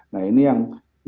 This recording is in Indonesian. nah ini yang